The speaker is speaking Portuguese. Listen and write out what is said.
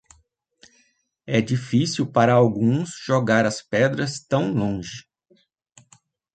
É difícil para alguns jogar as pedras tão longe.